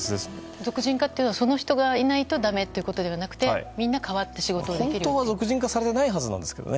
属人化というのはその人がいないとだめということではなくて本当は属人化されてないはずですがね。